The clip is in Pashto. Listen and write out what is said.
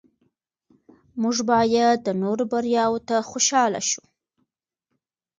موږ باید د نورو بریاوو ته خوشحاله شو